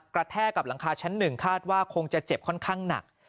แทกกับหลังคาชั้น๑คาดว่าคงจะเจ็บค่อนข้างหนัก